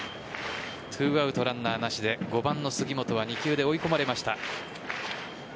２アウトランナーなしで５番の杉本は２球で追い込まれました。